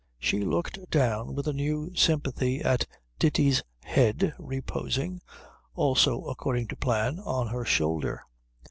She looked down with a new sympathy at Ditti's head reposing, also according to plan, on her shoulder.